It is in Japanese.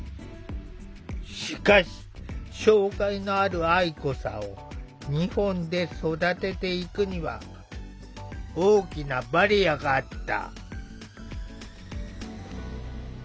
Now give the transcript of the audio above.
しかし障害のある愛子さんを日本で育てていくには大きなバリアがあった。